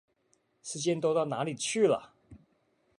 時間都到哪裡去了？